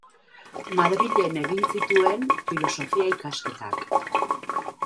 Madrilen egin zituen Filosofia ikasketak.